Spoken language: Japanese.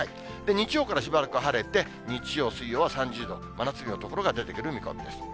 日曜からしばらく晴れて、日曜、水曜は３０度、真夏日の所が出てくる見込みです。